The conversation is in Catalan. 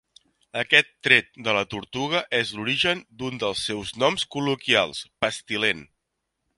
Aquest tret de la tortuga és l'origen d'un dels seus noms col·loquials, "pestilent".